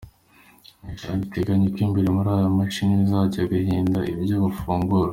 Igishuashanyo giteganya uko imbere muri bya bimashini bazajya bahinga ibyo bafungura.